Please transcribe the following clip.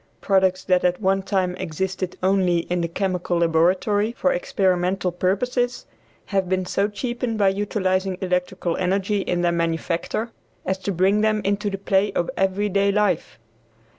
Products that at one time existed only in the chemical laboratory for experimental purposes, have been so cheapened by utilizing electrical energy in their manufacture, as to bring them into the play of every day life.